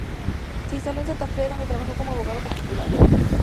Se instaló en Santa Fe, donde trabajó como abogado particular.